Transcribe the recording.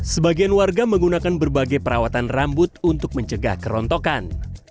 sebagian warga menggunakan berbagai perawatan rambut untuk mencegah kerontokan